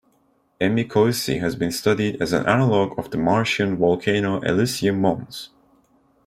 Emi Koussi has been studied as an analogue of the Martian volcano Elysium Mons.